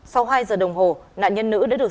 sau hai giờ đồng hồ nạn nhân nữ đã được